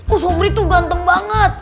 oh subri tuh ganteng banget